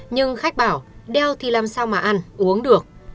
nhưng khách bảo đeo thì làm sao mà ăn uống được